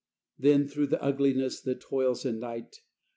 Then through the ugliness that toils in night.